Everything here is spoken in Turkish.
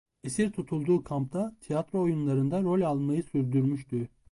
Esir tutulduğu kampta tiyatro oyunlarında rol almayı sürdürmüştü.